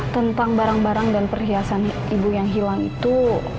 tentang barang barang dan perhiasan ibu yang hilang itu